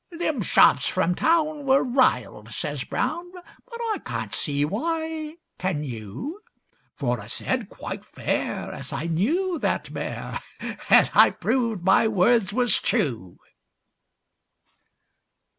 'Them sharps from town were riled,' says Brown; 'But I can't see why—can you? For I said quite fair as I knew that mare, And I proved my words was true.